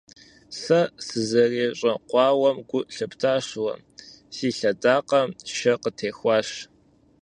Сэ сызэрещӀэкъуауэм гу лъыптащ уэ: си лъэдакъэм шэ къытехуащ.